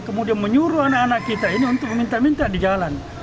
kemudian menyuruh anak anak kita ini untuk meminta minta di jalan